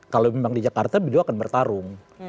kalau memang di jakarta beliau akan bertarung